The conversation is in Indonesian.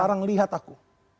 sekarang lihat aku